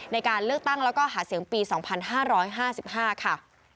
ในการเลือกตั้งแล้วก็หาเสียงปี๒๕๕๕ค่ะ